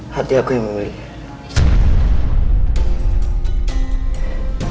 hati aku yang memilih